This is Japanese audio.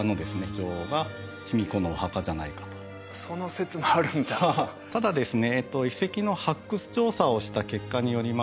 女王が卑弥呼のお墓じゃないかとその説もあるんだただですね